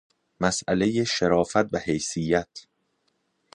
مسئلهٔ شرافت و حیثیت